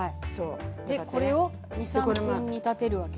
でこれを２３分煮立てるわけ？